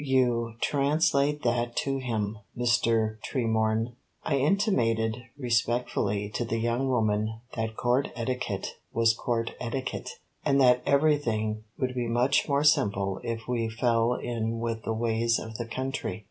You translate that to him, Mr. Tremorne." I intimated respectfully to the young woman that Court etiquette was Court etiquette, and that everything would be much more simple if we fell in with the ways of the country.